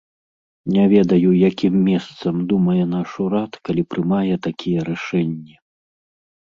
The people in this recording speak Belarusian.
Не ведаю, якім месцам думае наш урад, калі прымае такія рашэнні.